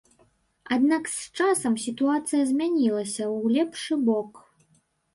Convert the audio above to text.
Аднак з часам сітуацыя змянілася ў лепшы бок.